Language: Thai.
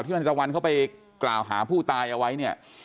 นายตะวันเข้าไปกล่าวหาผู้ตายเอาไว้เนี่ย